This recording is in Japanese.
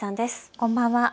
こんばんは。